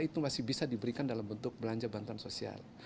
itu masih bisa diberikan dalam bentuk belanja bantuan sosial